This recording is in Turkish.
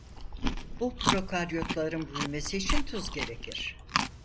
Bu prokaryotların büyümesi için tuz gerekir.